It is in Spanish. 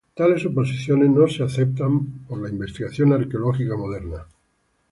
Tales suposiciones no son aceptadas por la investigación arqueológica moderna.